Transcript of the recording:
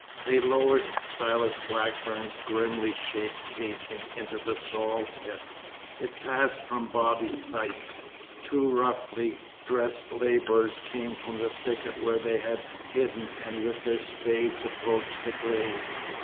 They lowered Silas Blackburn's grimly shaped casing into the sorrel pit. It passed from Bobby's sight. The two roughly dressed labourers came from the thicket where they had hidden, and with their spades approached the grave.